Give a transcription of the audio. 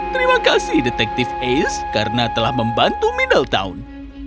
terima kasih detektif ace karena telah membantu middletown